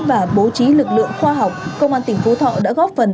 và bố trí lực lượng khoa học công an tỉnh phú thọ đã góp phần